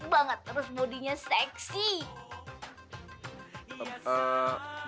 minta ditemani sembuhkan petunjuk